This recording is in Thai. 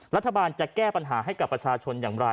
รัฐบาลจะแก้ปัญหาให้กับประชาชนอย่างไร